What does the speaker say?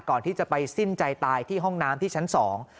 ก่อนที่จะไปสิ้นใจตายที่ห้องน้ำที่ชั้นสอง